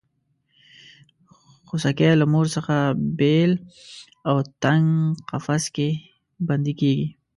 خوسکی له مور څخه بېل او تنګ قفس کې بندي کېږي.